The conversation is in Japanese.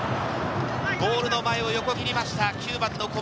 ゴールの前を横切りました、９番の小林。